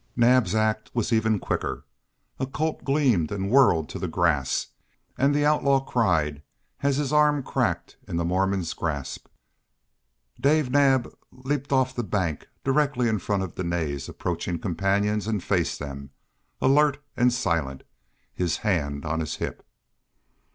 Naab's act was even quicker. A Colt gleamed and whirled to the grass, and the outlaw cried as his arm cracked in the Mormon's grasp. Dave Naab leaped off the bank directly in front of Dene's approaching companions, and faced them, alert and silent, his hand on his hip.